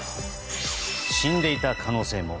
死んでいた可能性も。